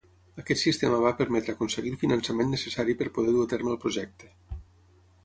Aquest sistema va permetre aconseguir el finançament necessari per poder dur a terme el projecte.